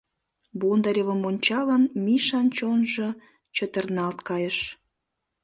Бондаревым ончалын, Мишан чонжо чытырналт кайыш.